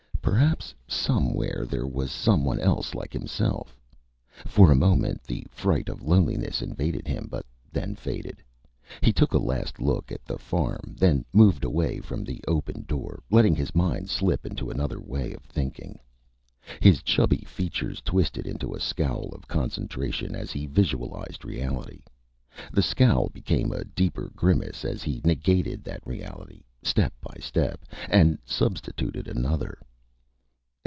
Perhaps, somewhere, there was someone else like himself. For a moment, the fright of loneliness invaded him, but then faded. He took a last look at the farm, then moved away from the open door, letting his mind slip into another way of thinking. His chubby features twisted into a scowl of concentration as he visualized reality. The scowl became a deeper grimace as he negated that reality, step by step, and substituted another.